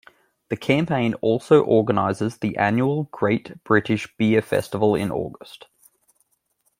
The Campaign also organises the annual Great British Beer Festival in August.